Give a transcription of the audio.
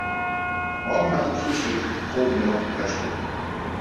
Morgen nach dem Frühstück proben wir noch drei Stunden.